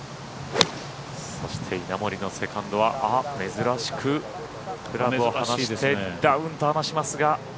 そして稲森のセカンドは珍しくクラブから離してダウンと合わせますが。